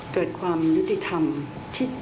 เกิดความยุติธรรม